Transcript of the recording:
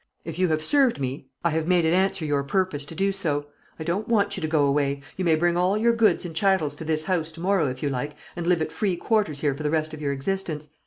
If you have served me, I have made it answer your purpose to do so. I don't want you to go away. You may bring all your goods and chattels to this house to morrow, if you like, and live at free quarters here for the rest of your existence.